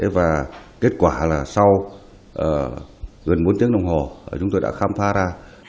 và kết quả là sau gần bốn tiếng đồng hồ chúng tôi đã khám phá ra